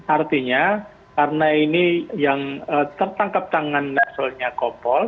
artinya karena ini yang tertangkap tangan soalnya kopol